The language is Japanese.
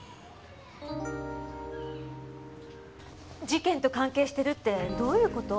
事件と関係してるってどういう事？